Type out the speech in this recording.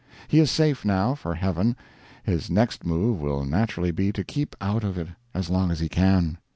He is safe, now, for heaven; his next move will naturally be to keep out of it as long as he can.